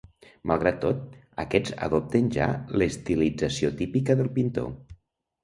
Malgrat tot, aquests adopten ja l'estilització típica del pintor.